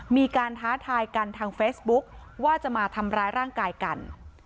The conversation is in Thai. มีการท้าทายกันทางเฟซบุ๊กว่าจะมาทำร้ายร่างกายกัน